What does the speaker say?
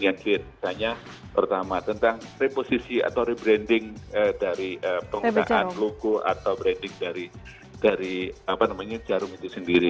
yang misalnya pertama tentang reposisi atau rebranding dari penggunaan logo atau branding dari jarum itu sendiri